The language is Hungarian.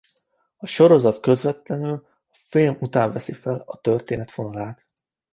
A sorozat közvetlenül a film után veszi fel a történet fonalát.